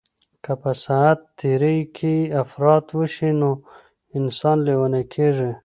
که په ساعت تیرۍ کي افراط وشي نو انسان لیونی کیږي.